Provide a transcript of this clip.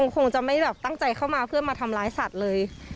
คงจะไม่แบบตั้งใจเข้ามาเพื่อมาทำร้ายสัตว์เลย